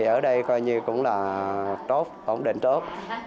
ở đây cũng là ổn định tốt